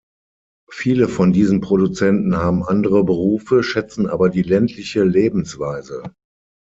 Viele von diesen Produzenten haben andere Berufe, schätzen aber die ländliche Lebensweise.